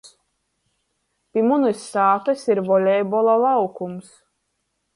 Pi munys sātys ir volejbola laukums.